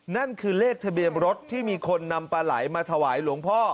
นั่นคือเลขทะเบียนรถที่มีคนนำปลาไหลมาถวายหลวงพ่อ